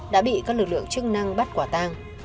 đã bị các lực lượng chức năng bắt quả tang